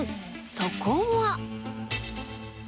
そこは